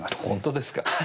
本当ですか？